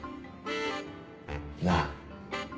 なあ？